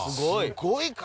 すごい体。